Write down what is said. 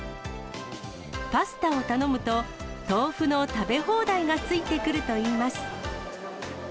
パスタを頼むと、豆腐の食べ放題がついてくるといいます。